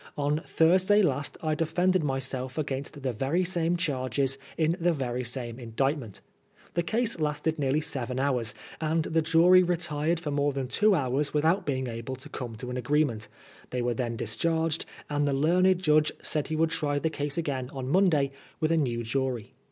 On Thursday last I defended myself against the very same charges in the very same indictment. The case THE SECOND TRIAL. 101 lasted nearly seven hours, and the jury retired for more than two hours without being able to come to an agreement. They were then discharged, and the learned judge said he would try the case again on Monday with a new jury.